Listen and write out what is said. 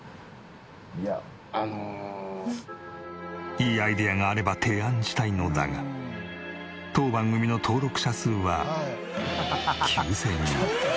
いいアイデアがあれば提案したいのだが当番組の登録者数は９０００人。